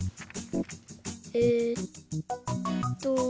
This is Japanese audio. えっと。